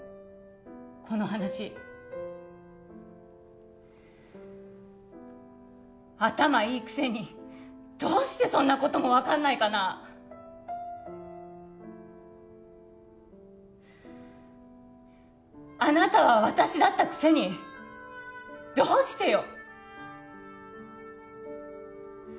この話頭いいくせにどうしてそんなことも分かんないかなああなたは私だったくせにどうしてよ？